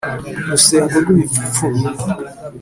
rusengo rw’ibipfupfuru